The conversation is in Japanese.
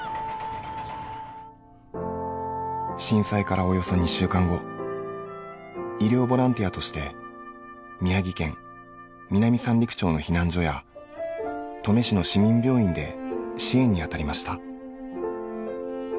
震災からおよそ２週間後医療ボランティアとして宮城県南三陸町の避難所や登米市の市民病院で支援に当たりました。